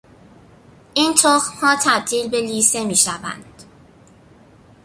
این تخمها تبدیل به لیسه میشوند.